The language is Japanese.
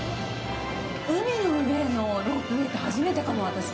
海の上のロープウエーって初めてかも、私。